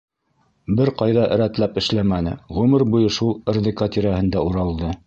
Бер ҡайҙа рәтләп эшләмәне, ғүмер буйы шул РДК тирәһендә уралды.